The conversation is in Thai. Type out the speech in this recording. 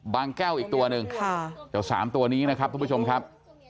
แก้วอีกตัวหนึ่งเจ้าสามตัวนี้นะครับทุกผู้ชมครับ